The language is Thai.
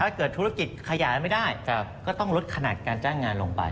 เกิดธุรกิจขยายไม่ได้ก็ต้องลดขนาดการจ้างงานลงไป